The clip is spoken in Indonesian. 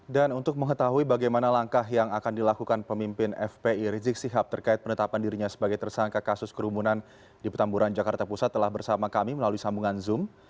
dan untuk mengetahui bagaimana langkah yang akan dilakukan pemimpin fpi rizik sihab terkait penetapan dirinya sebagai tersangka kasus kerumunan di petamburan jakarta pusat telah bersama kami melalui sambungan zoom